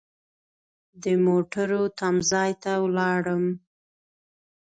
د موټرو تم ځای ته ولاړم.